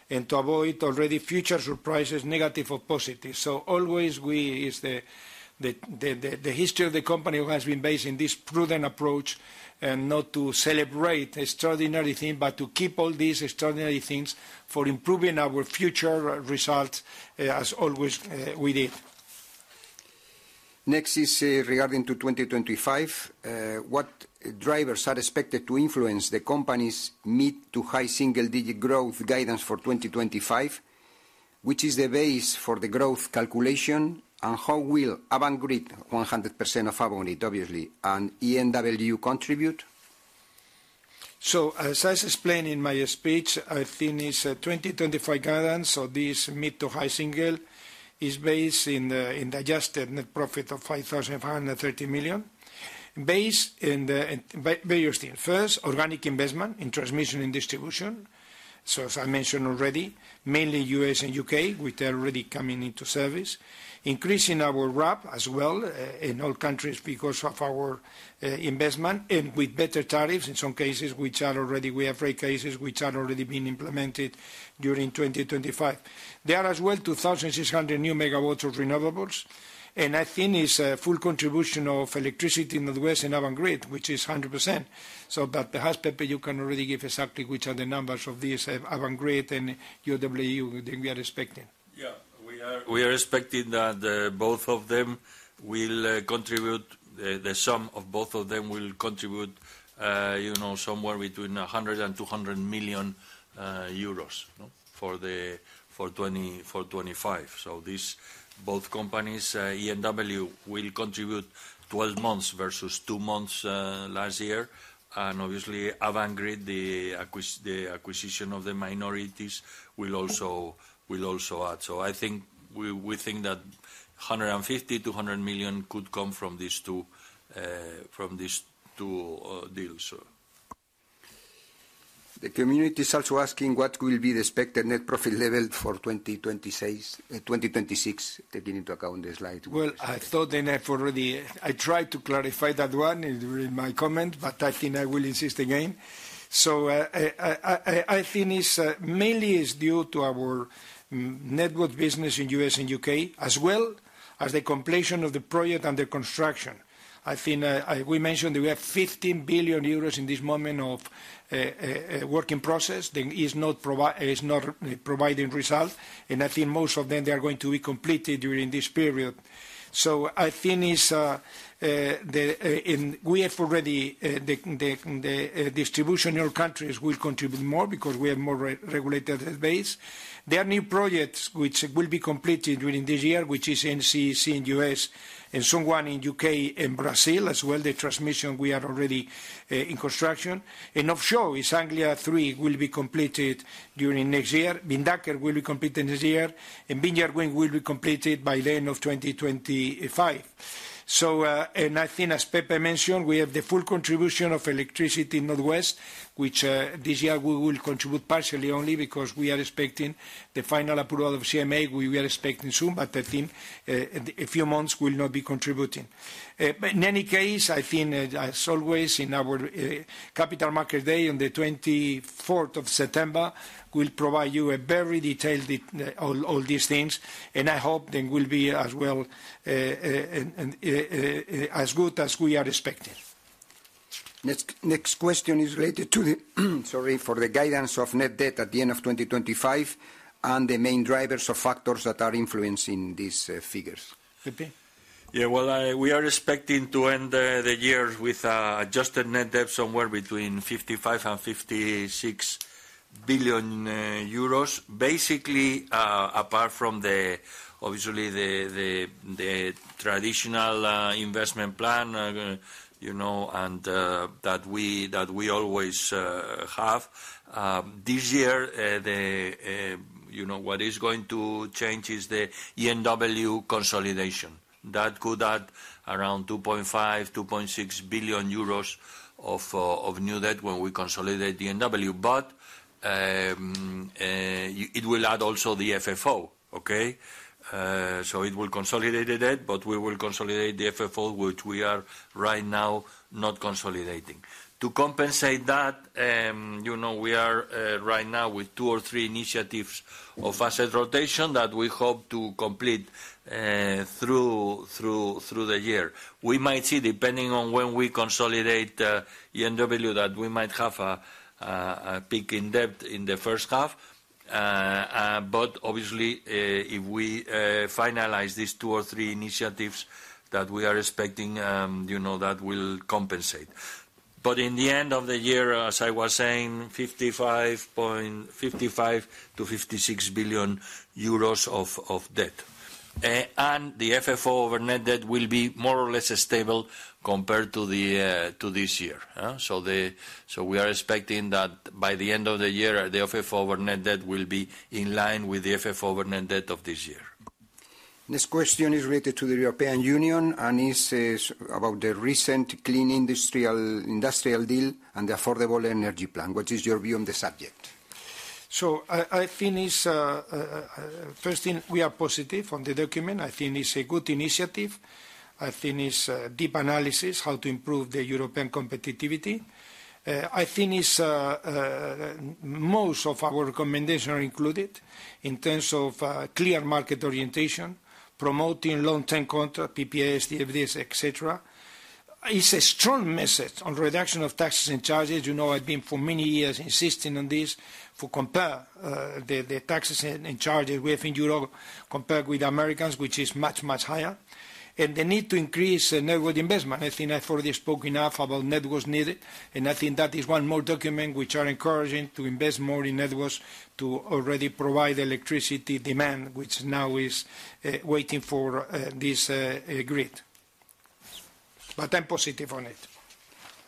and to avoid already future surprises, negative or positive. So always we is the history of the company who has been based in this prudent approach and not to celebrate extraordinary things, but to keep all these extraordinary things for improving our future results, as always we did. Next is regarding to 2025. What drivers are expected to influence the company's mid- to high single-digit growth guidance for 2025, which is the base for the growth calculation, and how will Avangrid, 100% of Avangrid, obviously, and ENW contribute? So as I explained in my speech, I think this 2025 guidance, so this mid- to high single, is based in the adjusted net profit of 5,530 million, based in various things. First, organic investment in transmission and distribution. So as I mentioned already, mainly U.S. and U.K., which are already coming into service, increasing our RAB as well in all countries because of our investment and with better tariffs in some cases, which are already, we have three cases which are already being implemented during 2025. There are as well 2,600 megawatts of renewables, and I think it's a full contribution of electricity in the U.S. and Avangrid, which is 100%. So that has Pepe, you can already give exactly which are the numbers of these Avangrid and ENW that we are expecting. Yeah, we are expecting that both of them will contribute, the sum of both of them will contribute somewhere between 100 million euros and 200 million euros for 2025. So these both companies, ENW, will contribute 12 months versus two months last year. Obviously, Avangrid, the acquisition of the minorities will also add. I think 150-200 million could come from these two deals. The community is also asking what will be the expected net profit level for 2026, taking into account the slide. I thought that I've already tried to clarify that one during my comment, but I think I will insist again. I think it's mainly due to our network business in the U.S. and U.K., as well as the completion of the project under construction. I think we mentioned that we have 15 billion euros at this moment of work in process that is not providing results, and I think most of them are going to be completed during this period. I think already the distribution in all countries will contribute more because we have more regulated base. There are new projects which will be completed during this year, which is NECEC in the U.S. and Eastern Green Link in the U.K. and Brazil as well. The transmission we are already in construction. Offshore, it's East Anglia THREE will be completed during next year. Windanker will be completed this year, and Vineyard Wind 1 will be completed by the end of 2025. I think, as Pepe mentioned, we have the full contribution of Electricity North West, which this year we will contribute partially only because we are expecting the final approval of CMA we are expecting soon, but I think a few months we'll not be contributing. In any case, I think, as always, in our Capital Markets Day on the 24th of September, we'll provide you a very detailed all these things, and I hope then we'll be as well as good as we are expecting. Next question is related to the, sorry, for the guidance of net debt at the end of 2025 and the main drivers or factors that are influencing these figures. Pepe? Yeah, well, we are expecting to end the year with adjusted net debt somewhere between 55 and 56 billion euros, basically apart from the, obviously, the traditional investment plan that we always have. This year, what is going to change is the ENW consolidation. That could add around 2.5-2.6 billion euros of new debt when we consolidate the ENW, but it will add also the FFO, okay? So it will consolidate the debt, but we will consolidate the FFO, which we are right now not consolidating. To compensate that, we are right now with two or three initiatives of asset rotation that we hope to complete through the year. We might see, depending on when we consolidate ENW, that we might have a peak in debt in the first half, but obviously, if we finalize these two or three initiatives that we are expecting, that will compensate. But in the end of the year, as I was saying, 55 billion-56 billion euros of debt. The FFO over net debt will be more or less stable compared to this year. We are expecting that by the end of the year, the FFO over net debt will be in line with the FFO over net debt of this year. Next question is related to the European Union and is about the recent Clean Industrial Deal and the Affordable Energy Plan. What is your view on the subject? I think it's, first thing, we are positive on the document. I think it's a good initiative. I think it's a deep analysis how to improve the European competitiveness. I think most of our recommendations are included in terms of clear market orientation, promoting long-term contracts, PPAs, CfDs, etc. It's a strong message on reduction of taxes and charges. I've been for many years insisting on this to compare the taxes and charges we have in Europe compared with Americans, which is much, much higher. The need to increase network investment. I think I've already spoken enough about networks needed, and I think that is one more document which are encouraging to invest more in networks to already provide electricity demand, which now is waiting for this grid. But I'm positive on it.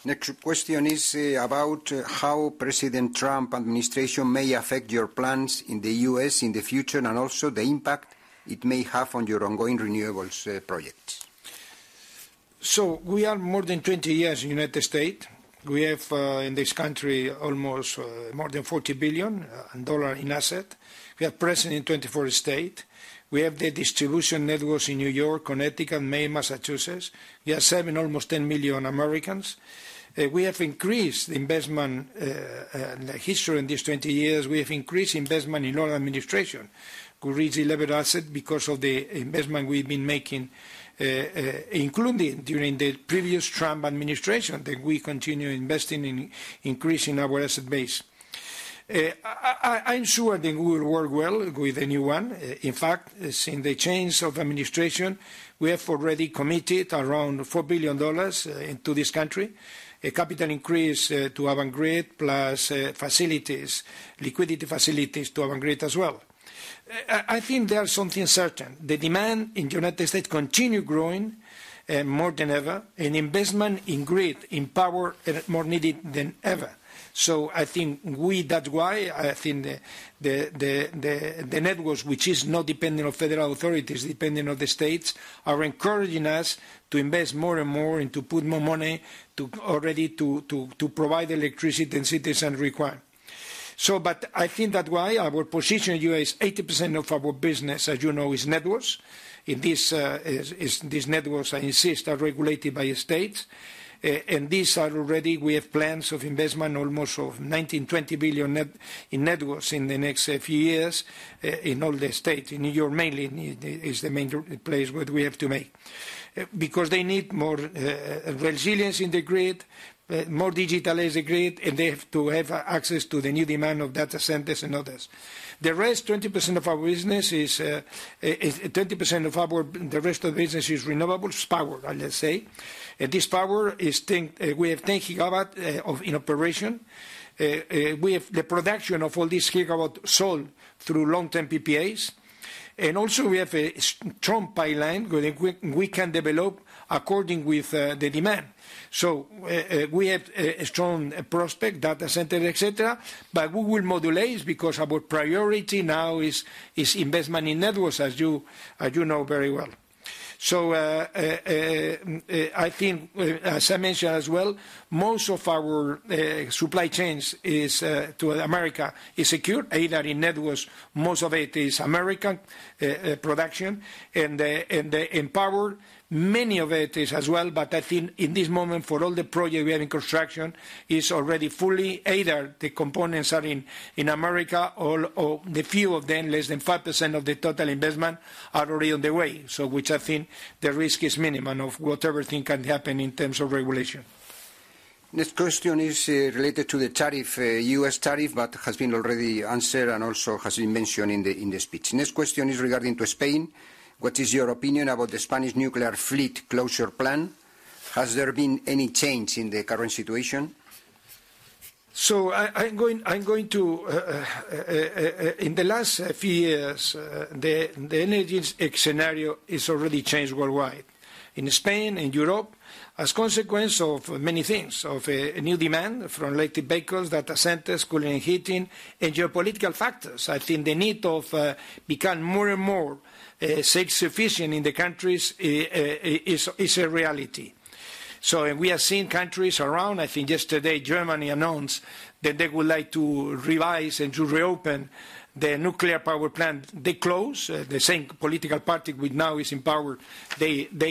Next question is about how President Trump's administration may affect your plans in the U.S. in the future and also the impact it may have on your ongoing renewables projects. We are more than 20 years in the United States. We have in this country almost more than $40 billion in assets. We are present in 24 states. We have the distribution networks in New York, Connecticut, Maine, Massachusetts. We have seven, almost 10 million Americans. We have increased investment history in these 20 years. We have increased investment in all administration. We reached 11 assets because of the investment we've been making, including during the previous Trump administration that we continue investing in increasing our asset base. I'm sure that we will work well with the new one. In fact, since the change of administration, we have already committed around $4 billion to this country, a capital increase to Avangrid plus facilities, liquidity facilities to Avangrid as well. I think there's something certain. The demand in the United States continues growing more than ever, and investment in grid, in power, more needed than ever. So I think we, that's why I think the networks, which is not dependent on federal authorities, dependent on the states, are encouraging us to invest more and more and to put more money already to provide electricity than citizens require. So but I think that's why our position in the U.S., 80% of our business, as you know, is networks. In these networks, I insist, are regulated by states. These are already. We have plans of investment almost of $19-20 billion in networks in the next few years in all the states. In New York, mainly, is the main place where we have to make because they need more resilience in the grid, more digitalized grid, and they have to have access to the new demand of data centers and others. The rest, 20% of our business is 20% of our, the rest of the business is renewables power, let's say and this power is, we have 10 gigawatts in operation. We have the production of all these gigawatts sold through long-term PPAs. Also we have a strong pipeline where we can develop according with the demand. So we have a strong prospect, data centers, etc., but we will modulate because our priority now is investment in networks, as you know very well. So I think, as I mentioned as well, most of our supply chains to America is secured, either in networks, most of it is American production, and in power, many of it is as well. But I think in this moment, for all the projects we have in construction, it's already fully either the components are in America, or the few of them, less than 5% of the total investment are already on the way, so which I think the risk is minimum of whatever thing can happen in terms of regulation. Next question is related to the tariff, U.S. tariff, but has been already answered and also has been mentioned in the speech. Next question is regarding to Spain. What is your opinion about the Spanish nuclear fleet closure plan? Has there been any change in the current situation? In the last few years, the energy scenario is already changed worldwide. In Spain, in Europe, as a consequence of many things, of new demand from electric vehicles, data centers, cooling and heating, and geopolitical factors, I think the need to become more and more self-sufficient in the countries is a reality. We have seen countries around. I think yesterday Germany announced that they would like to revise and to reopen the nuclear power plant they closed, the same political party which now is in power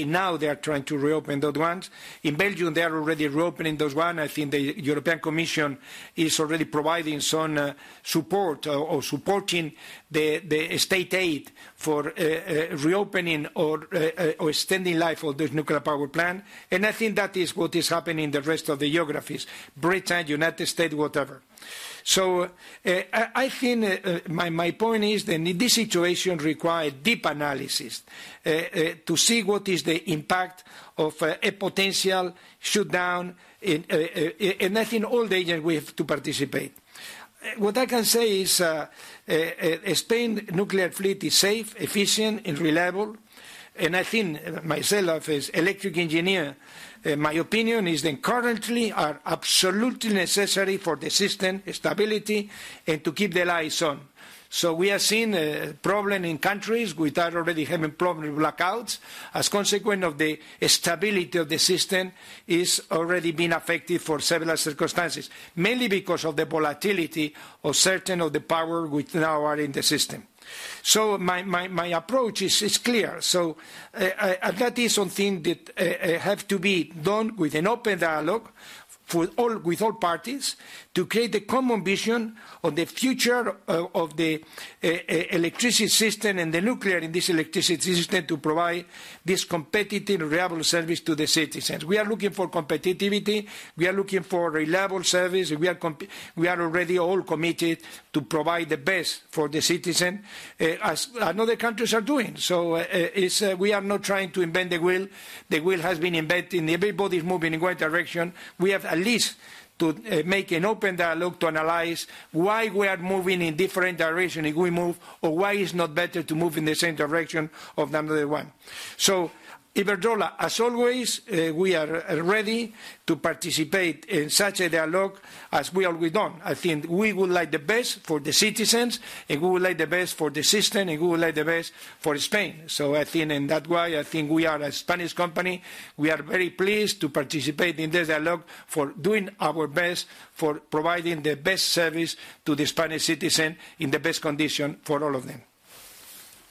now is trying to reopen those ones. In Belgium, they are already reopening those ones. I think the European Commission is already providing some support or supporting the state aid for reopening or extending life of this nuclear power plant. I think that is what is happening in the rest of the geographies, Britain, United States, whatever. I think my point is that this situation requires deep analysis to see what is the impact of a potential shutdown, and I think all the agents we have to participate. What I can say is Spain nuclear fleet is safe, efficient, and reliable. I think myself as electrical engineer, my opinion is that currently are absolutely necessary for the system stability and to keep the lights on. We have seen problems in countries which are already having problems with blackouts. As a consequence of the stability of the system is already being affected for several circumstances, mainly because of the volatility of certain of the power which now are in the system. My approach is clear. So that is something that has to be done with an open dialogue with all parties to create the common vision of the future of the electricity system and the nuclear in this electricity system to provide this competitive reliable service to the citizens. We are looking for competitiveness. We are looking for reliable service. We are already all committed to provide the best for the citizen, as other countries are doing. So we are not trying to invent the wheel. The wheel has been invented. Everybody is moving in one direction. We have a list to make an open dialogue to analyze why we are moving in different directions if we move, or why it's not better to move in the same direction of another one. So Iberdrola, as always, we are ready to participate in such a dialogue as we always done. I think we would like the best for the citizens, and we would like the best for the system, and we would like the best for Spain. So I think in that way, I think we are a Spanish company. We are very pleased to participate in this dialogue for doing our best for providing the best service to the Spanish citizen in the best condition for all of them.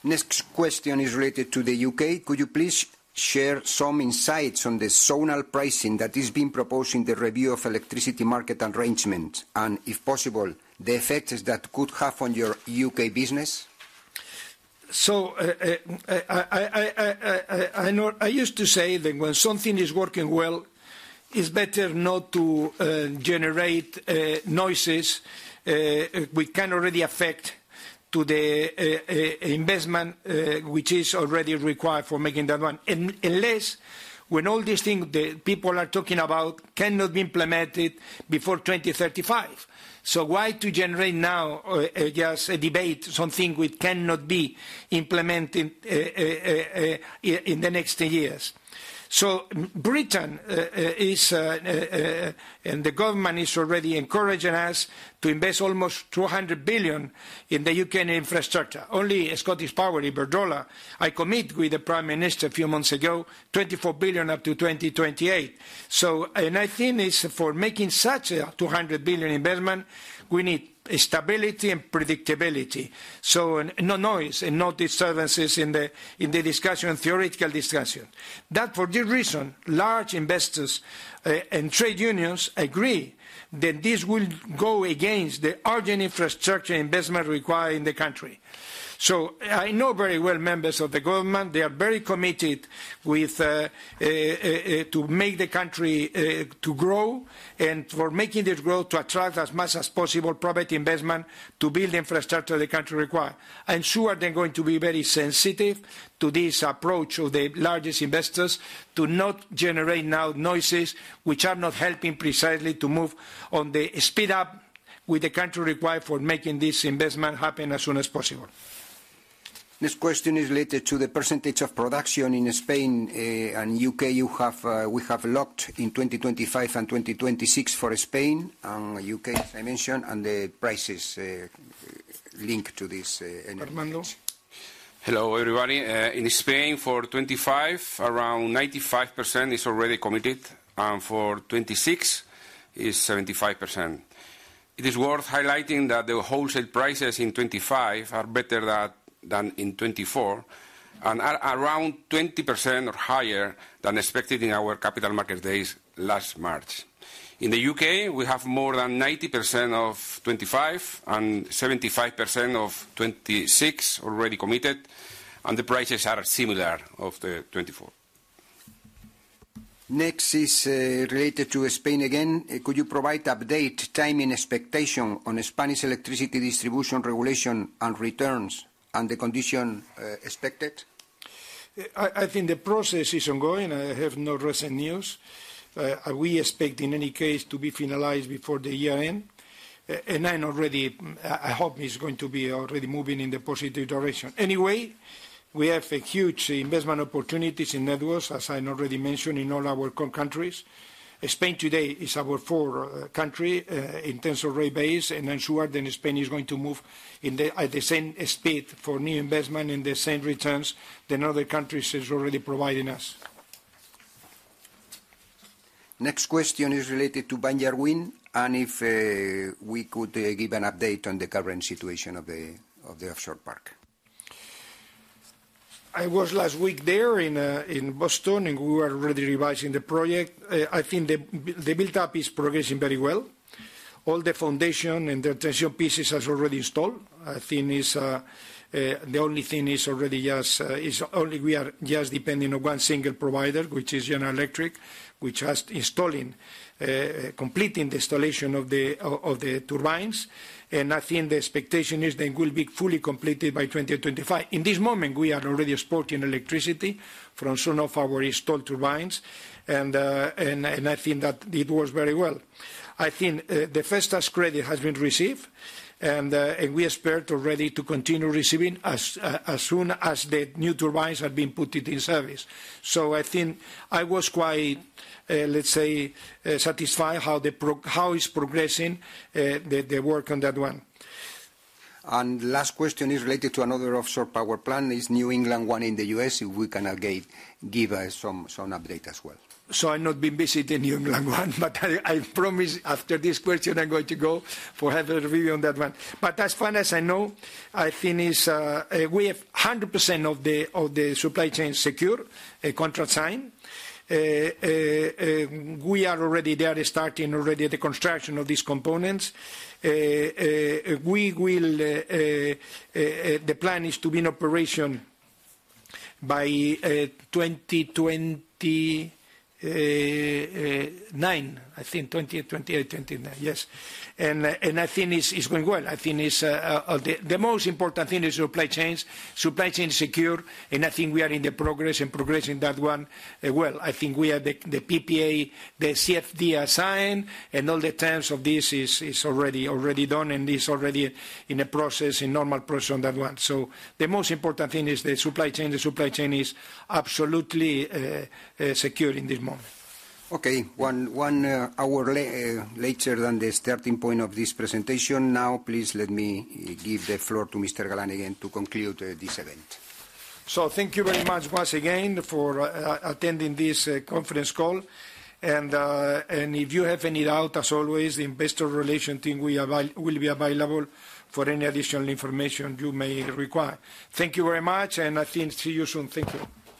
Next question is related to the U.K.. Could you please share some insights on the zonal pricing that is being proposed in the Review of Electricity Market Arrangements and, if possible, the effects that could have on your U.K. business? So I used to say that when something is working well, it's better not to generate noises which can already affect the investment which is already required for making that one. Unless when all these things that people are talking about cannot be implemented before 2035, so why to generate now just a debate, something which cannot be implemented in the next three years, so Britain, and the government is already encouraging us to invest almost $200 billion in the U.K. infrastructure. Only ScottishPower Iberdrola, I commit with the Prime Minister a few months ago, $24 billion up to 2028, so and I think for making such a $200 billion investment, we need stability and predictability, so no noise and no disturbances in the discussion, theoretical discussion. That, for this reason, large investors and trade unions agree that this will go against the urgent infrastructure investment required in the country, so I know very well members of the government. They are very committed to make the country to grow and for making this grow to attract as much as possible private investment to build infrastructure the country requires. I'm sure they're going to be very sensitive to this approach of the largest investors to not generate now noises which are not helping precisely to move on the speed up with the country required for making this investment happen as soon as possible. Next question is related to the percentage of production in Spain and U.K. we have locked in 2025 and 2026 for Spain and U.K., as I mentioned, and the prices linked to this energy. Armando. Hello everybody. In Spain, for 2025, around 95% is already committed and for 2026, it's 75%. It is worth highlighting that the wholesale prices in 2025 are better than in 2024 and are around 20% or higher than expected in our Capital Markets Day last March. In the UK, we have more than 90% of 2025 and 75% of 2026 already committed, and the prices are similar to the 2024. Next is related to Spain again. Could you provide update timing expectation on Spanish electricity distribution regulation and returns and the condition expected? I think the process is ongoing. I have no recent news. We expect in any case to be finalized before the year end, and I'm already, I hope it's going to be already moving in the positive direction. Anyway, we have huge investment opportunities in networks, as I already mentioned in all our countries. Spain today is our fourth country in terms of rate base, and I'm sure that Spain is going to move at the same speed for new investment and the same returns than other countries are already providing us. Next question is related to Vineyard Wind, and if we could give an update on the current situation of the offshore park. I was last week there in Boston, and we were already revising the project. I think the build-up is progressing very well. All the foundation and the transition pieces are already installed. I think the only thing is we are just depending on one single provider, which is General Electric, which has installing, completing the installation of the turbines. I think the expectation is they will be fully completed by 2025. In this moment, we are already exporting electricity from some of our installed turbines, and I think that it works very well. I think the first credit has been received, and we expect already to continue receiving as soon as the new turbines have been put in service. So I think I was quite, let's say, satisfied how it's progressing the work on that one. Last question is related to another offshore power plant, New England Wind 1 in the U.S. If we can give us some update as well. So I've not been visiting New England Wind 1, but I promise after this question, I'm going to go for have a review on that one. But as far as I know, I think we have 100% of the supply chain secure, contract signed. We are already there, starting already the construction of these components. The plan is to be in operation by 2029, I think, 2028, 2029, yes, and I think it's going well. I think the most important thing is supply chains, supply chain is secure, and I think we are in the progress and progressing that one well. I think we have the PPA, the CFD assigned, and all the terms of this is already done, and it's already in a process, in normal process on that one. So the most important thing is the supply chain. The supply chain is absolutely secure in this moment. Okay. One hour later than the starting point of this presentation. Now, please let me give the floor to Mr. Galán again to conclude this event. So thank you very much once again for attending this conference call. If you have any doubt, as always, the investor relations team will be available for any additional information you may require. Thank you very much, and I think, see you soon. Thank you.